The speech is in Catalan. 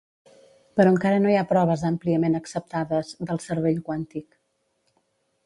Però encara no hi ha proves àmpliament acceptades del "cervell quàntic".